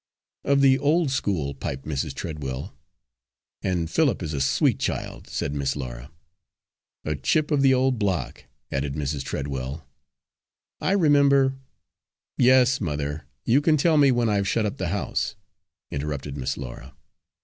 "Of the old school," piped Mrs. Treadwell. "And Philip is a sweet child," said Miss Laura. "A chip of the old block," added Mrs. Treadwell. "I remember " "Yes, mother, you can tell me when I've shut up the house," interrupted Miss Laura.